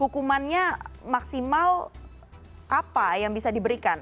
hukumannya maksimal apa yang bisa diberikan